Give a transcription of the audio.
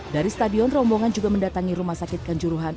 dari stadion rombongan juga mendatangi rumah sakit kanjuruhan